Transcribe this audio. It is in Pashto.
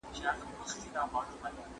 د لالټين رڼا تر برېښنا ډېره تته وه.